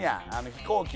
飛行機の。